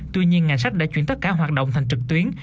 tuy nhiên ngày sách đã chuyển tất cả hoạt động thành trực tuyến